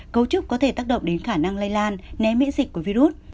cấu trúc có thể tác động đến khả năng lây lan né miễn dịch của virus